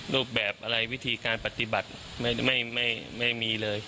รูปแบบอะไรวิธีการปฏิบัติไม่มีเลย